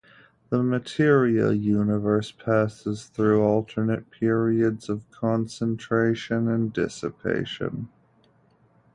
The material universe passes through alternate periods of concentration and dissipation.